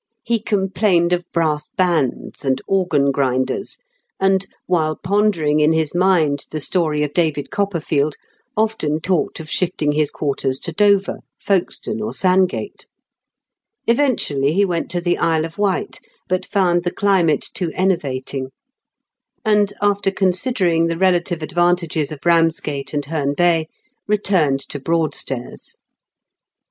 He coiiiplained of brass bands and organ grinders, and, while pondering in his mind the story of David Copperfidd, often talked of shifting his quarters to Dover, Folkestone, or Sandgate. Eventually he went to the Isle of Wight, but 'found the climate too enervating; and, after considering the xelative advantages of Eamsgate and Heme Bay, returned to Broadstairs.